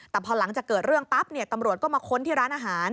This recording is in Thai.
แต่พอหลังจากเกิดเรื่องปั๊บตำรวจก็มาค้นที่ร้านอาหาร